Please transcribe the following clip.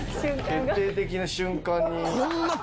決定的な瞬間に。